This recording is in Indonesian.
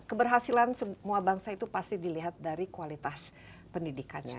keberhasilan semua bangsa itu pasti dilihat dari kualitas pendidikannya